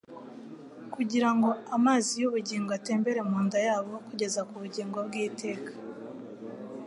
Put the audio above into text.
kugira ngo amazi y'ubugingo atembere mu nda yabo kugeza ku bugingo bw'iteka.